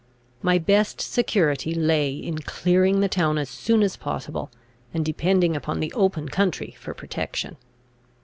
My best security lay in clearing the town as soon as possible, and depending upon the open country for protection.